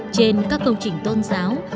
trên các công trình tôn giáo